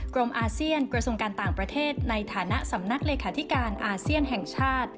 อาเซียนกระทรวงการต่างประเทศในฐานะสำนักเลขาธิการอาเซียนแห่งชาติ